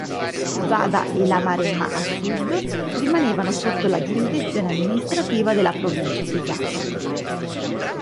Vada e la Maremma a sud rimanevano sotto la giurisdizione amministrativa della provincia pisana.